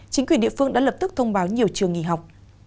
chính quyền địa phương đã lập tức thông báo nhiều trường nghỉ học